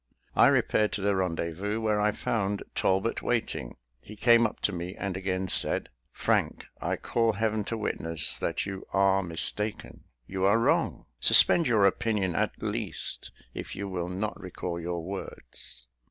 I repaired to the rendezvous, where I found Talbot waiting. He came up to me, and again said, "Frank, I call heaven to witness that you are mistaken. You are wrong. Suspend your opinion, at least, if you will not recall your words."